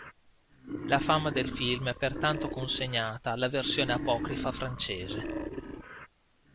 La fama del film è pertanto consegnata alla versione apocrifa francese.